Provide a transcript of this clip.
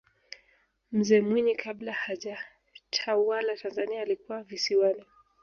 mzee mwinyi kabla hajatawala tanzania alikuwa visiwani